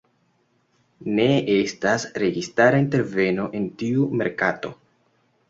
Ne estas registara interveno en tiu merkato.